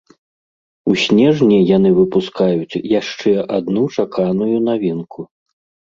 У снежні яны выпускаюць яшчэ адну чаканую навінку.